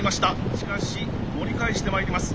しかし盛り返してまいります。